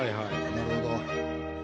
なるほど。